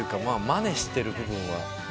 まねしてる部分は。